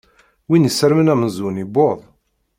Win isarmen amzun iwweḍ.